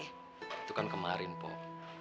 itu kan kemarin poh